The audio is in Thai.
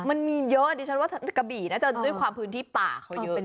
มันมีเยอะดิฉันว่ากระบี่น่าจะด้วยความพื้นที่ป่าเขาเยอะเป็น